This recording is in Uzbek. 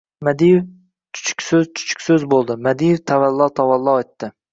Madiev chuchukso‘z-chuchukso‘z bo‘ldi. Madiev tavallo-tavallo etdi.